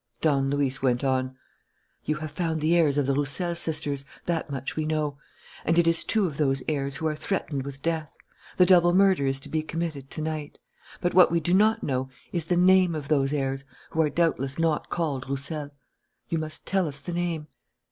Don Luis went on: "You have found the heirs of the Roussel sisters, that much we know; and it is two of those heirs who are threatened with death. The double murder is to be committed to night. But what we do not know is the name of those heirs, who are doubtless not called Roussel. You must tell us the name.